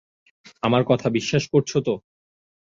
আমার কথা বিশ্বাস করছ তো?